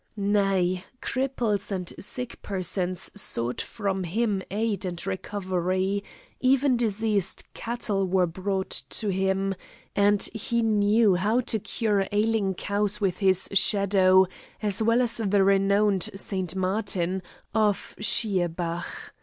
Nay, cripples and sick persons sought from him aid and recovery; even diseased cattle were brought to him, and he knew how to cure ailing cows with his shadow, as well as the renowned St. Martin, of Schierbach.